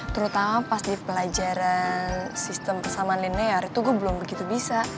terutama pas di pelajaran sistem kesamaan linear itu gue belum begitu bisa